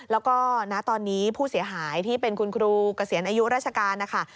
แล้วก็ณตอนนี้ผู้เสียหายที่เป็นคุณครูเกษียณอายุราชการนะคะ